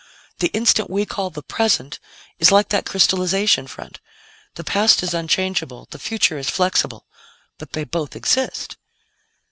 "The instant we call 'the present' is like that crystallization front. The past is unchangeable; the future is flexible. But they both exist."